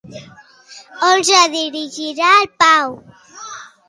On es dirigia en Pau?